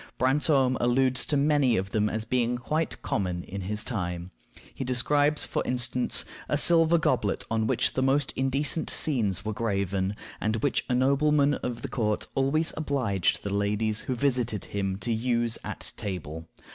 Brantome alludes to many of them as being quite common in his time. He describes, for instance, a silver goblet on which the most indecent scenes were graven, and which a nobleman of the court always obliged the ladies who visited him to use at table.